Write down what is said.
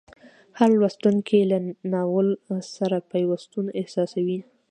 هر لوستونکی له ناول سره پیوستون احساسوي.